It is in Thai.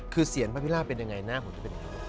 คือเสียงพระพิราบเป็นยังไงหน้าผมจะเป็นยังไง